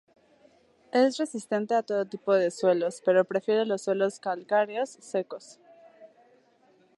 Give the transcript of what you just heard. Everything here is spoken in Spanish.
Es resistente a todo tipo de suelos, pero prefiere los suelos calcáreos, secos.